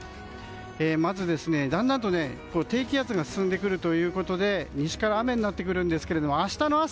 まず、だんだんと低気圧が進んでくるということで西から雨になってくるんですが明日の朝